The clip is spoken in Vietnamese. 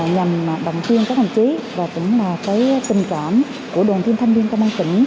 nhằm đồng tuyên các hành trí và tình cảm của đoàn thiên thanh niên công an tỉnh